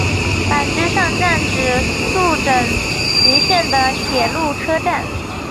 坂之上站指宿枕崎线的铁路车站。